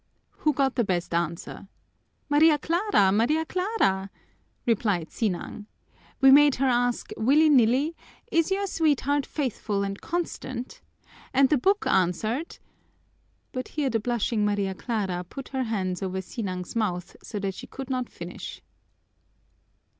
"Who got the best answer?" "Maria Clara, Maria Clara!" replied Sinang. "We made her ask, willy nilly, 'Is your sweetheart faithful and constant?' And the book answered " But here the blushing Maria Clara put her hands over Sinang's mouth so that she could not finish.